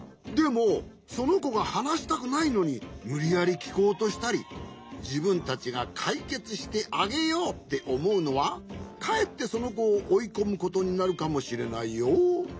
でもそのこがはなしたくないのにむりやりきこうとしたりじぶんたちがかいけつしてあげようっておもうのはかえってそのこをおいこむことになるかもしれないよ。